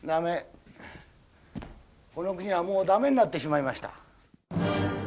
この国はもうダメになってしまいました。